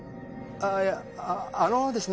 あいやあのですね